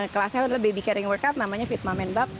kelasnya baby carrying workout namanya fitma menbab